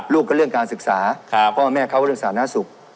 ลูกก็เรื่องการศึกษาพ่อแม่เขาเรื่องสาธารณสุข